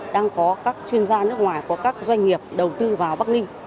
đang có các chuyên gia nước ngoài có các doanh nghiệp đầu tư vào bắc ninh